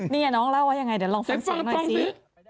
นี่น้องเล่าว่ายังไงเดี๋ยวลองฟังเสียงหน่อยสิ